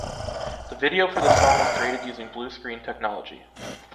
The video for the song was created using blue screen technology.